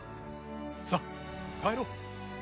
さあ帰ろう。